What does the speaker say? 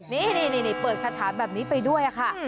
นี่เปิดคาถาแบบนี้ไปด้วยค่ะ